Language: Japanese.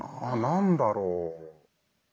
何だろう。